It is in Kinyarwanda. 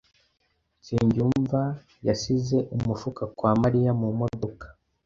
Nsengiyumva yasize umufuka wa Mariya mu modoka.